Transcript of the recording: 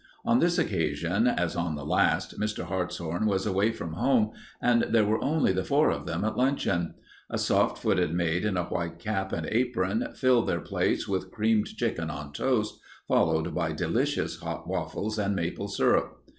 On this occasion, as on the last, Mr. Hartshorn was away from home and there were only the four of them at luncheon. A soft footed maid in a white cap and apron filled their plates with creamed chicken on toast, followed by delicious hot waffles and maple syrup.